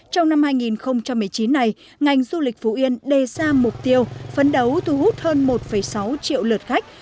trong năm hai nghìn một mươi chín này ngành du lịch phú yên đề ra mục tiêu phấn đấu thu hút hơn một sáu triệu lượt khách